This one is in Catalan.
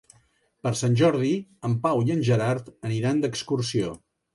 Per Sant Jordi en Pau i en Gerard aniran d'excursió.